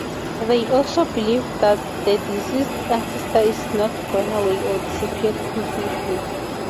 They also believed that the deceased ancestor is not gone away or disappeared completely.